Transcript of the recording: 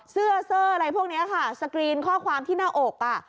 เสื้อเซอร์อะไรพวกนี้ค่ะสกรีนข้อความที่หน้าอกอ่ะ